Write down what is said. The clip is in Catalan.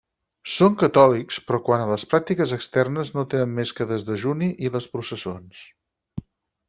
Són catòlics, però quant a pràctiques externes no tenen més que desdejuni i les processons.